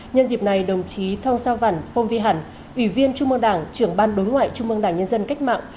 nhân dịp này đồng chí thông sao văn phong vi hẳn ủy viên chung bằng đảng trưởng ban đối ngoại chung bằng đảng nhân dân cách mạng